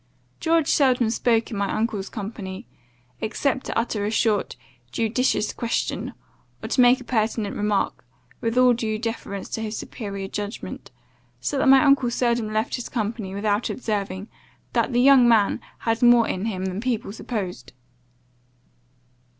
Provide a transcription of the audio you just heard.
George seldom spoke in my uncle's company, except to utter a short, judicious question, or to make a pertinent remark, with all due deference to his superior judgment; so that my uncle seldom left his company without observing, that the young man had more in him than people supposed.